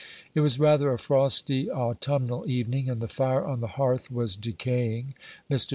It was rather a frosty autumnal evening, and the fire on the hearth was decaying. Mr.